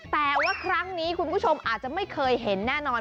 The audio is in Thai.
แต่ว่าครั้งนี้คุณผู้ชมอาจจะไม่เคยเห็นแน่นอน